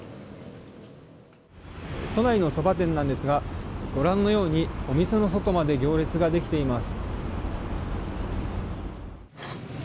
都内のそば店なんですがご覧のようにお店の外まで行列ができています。